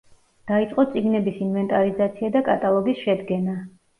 დაიწყო წიგნების ინვენტარიზაცია და კატალოგის შედგენა.